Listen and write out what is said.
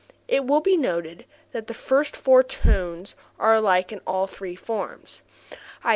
It will be noted that the first four tones are alike in all three forms; _i.